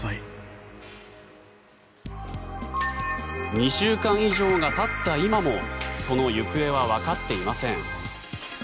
２週間以上がたった今もその行方はわかっていません。